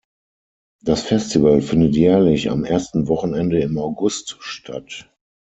Das Festival findet jährlich am ersten Wochenende im August statt.